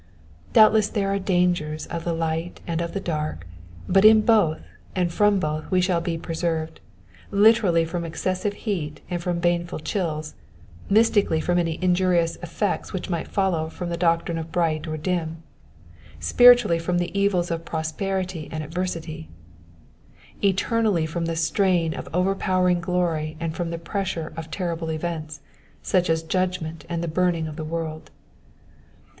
Doubtless there are dangers of the light and of the dark, but in both and from both we shall be preserved — literally from excessive heat and from baneful chills ; mystically from any injurious effects which might follow from doctrine bright or dim ; Bpiritually from the evils of prosperity and adversity ; eternally from the strain of over powering glory and from the pressure of terrible events, such as judgment and the burning of the world.